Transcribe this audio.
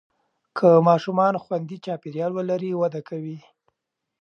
که ماشومان خوندي چاپېریال ولري، وده کوي.